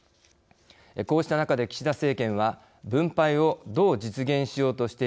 こうした中で岸田政権は分配をどう実現しようとしているのか。